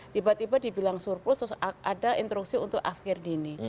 tiba tiba dibilang surplus terus ada instruksi untuk akhir dini